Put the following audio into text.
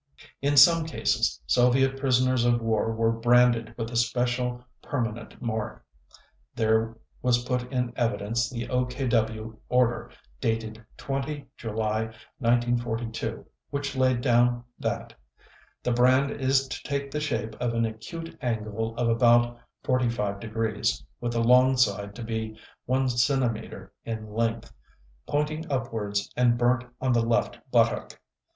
In some cases Soviet prisoners of war were branded with a special permanent mark. There was put in evidence the OKW order dated 20 July 1942 which laid down that: "The brand is to take the shape of an acute angle of about 45 degrees, with the long side to be 1 cm. in length, pointing upwards and burnt on the left buttock